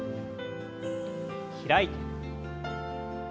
開いて。